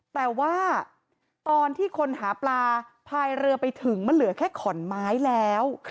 แต่ว่าตอนที่คนหาปลาพายเรือไปถึงมันเหลือแค่ขอนไม้แล้ว